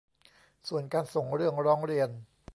ส่วนการส่งเรื่องร้องเรียน